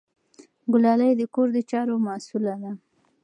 ګلالۍ د کور د چارو مسؤله ده.